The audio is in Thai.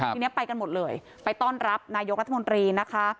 ทีนี้ไปกันหมดเลยไปต้อนรับนายกรัฐมนตรีนะคะ